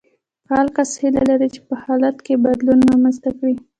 فعال کس هيله لري چې په حالت کې بدلون رامنځته کړي.